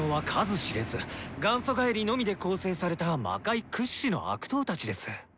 「元祖返り」のみで構成された魔界屈指の悪党たちです。